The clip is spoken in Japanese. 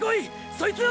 そいつを！